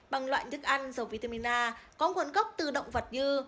bằng loại thức ăn dầu vitamin a có nguồn gốc từ động vật như